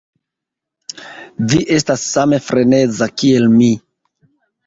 Vi estas same freneza, kiel mi.